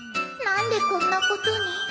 なんでこんなことに